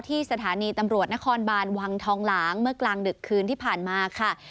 ที่สถานีตำรวจนครบานวังทองหลางเมื่อกลางดึกคืนที่ผ่านมาค่ะ